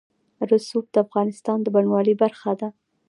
رسوب د افغانستان د بڼوالۍ برخه ده.